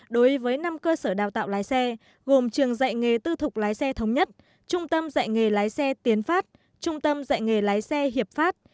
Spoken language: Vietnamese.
sở giao lái xe gồm trường dạy nghề tư thục lái xe thống nhất trung tâm dạy nghề lái xe tiến phát trung tâm dạy nghề lái xe hiệp phát